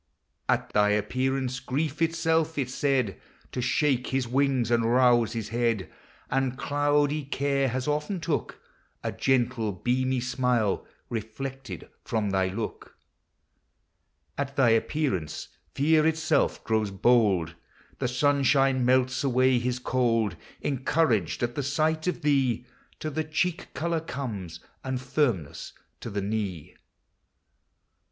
•••.., At thy appearance, Grief itself is said To shake his wings, and rouse his head : And cloudy Care has often took A gentle beamy smile, reflected from thy look. At thy appearance, Fear itself grows bold; The sunshine melts away his cold. Encouraged at the sight of thee To the cheek color comes, and firmness to the knee.